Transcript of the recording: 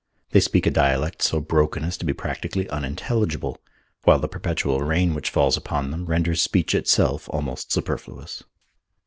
They speak a dialect so broken as to be practically unintelligible, while the perpetual rain which falls upon them renders speech itself almost superfluous.